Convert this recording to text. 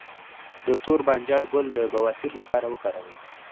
د تور بانجان ګل د بواسیر لپاره وکاروئ